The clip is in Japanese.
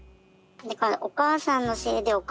「お母さんのせいで」